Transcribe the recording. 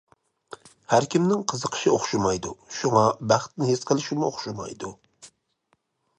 ھەركىمنىڭ قىزىقىشى ئوخشىمايدۇ شۇڭا بەختنى ھېس قىلىشىمۇ ئوخشىمايدۇ.